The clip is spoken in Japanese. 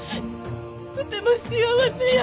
とても幸せや。